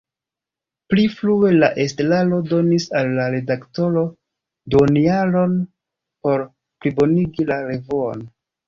Pli frue la estraro donis al la redaktoro duonjaron por plibonigi la revuon.